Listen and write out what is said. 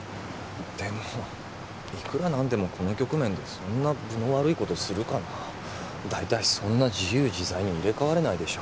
でもいくらなんでもこの局面でそんな分の悪いことするかな大体そんな自由自在に入れ替われないでしょ